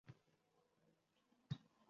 Qarogʼimda bolalading sen.